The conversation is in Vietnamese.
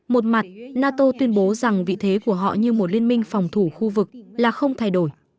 một mặt nato tuyên bố rằng vị thế của họ như một liên minh phòng thủ khu vực là không thay đổi